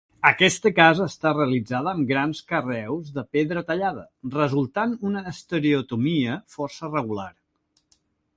Aquesta casa està realitzada amb grans carreus de pedra tallada, resultant una estereotomia força regular.